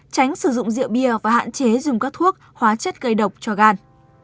tránh sử dụng rượu bia và hạn chế dùng các thuốc hóa chất gây độc cho gan